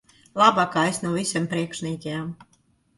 Labākais no visiem priekšniekiem.